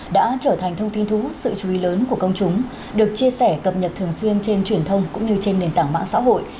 đã trở thành thông tin thu hút sự chú ý lớn của công chúng được chia sẻ cập nhật thường xuyên trên truyền thông cũng như trên nền tảng mạng xã hội